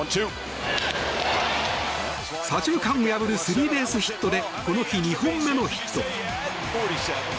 左中間を破るスリーベースヒットでこの日２本目のヒット。